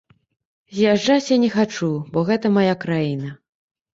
З'язджаць я не хачу, бо гэта мая краіна.